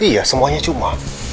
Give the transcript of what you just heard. iya semuanya cuma